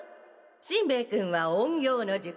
しんべヱ君は隠形の術。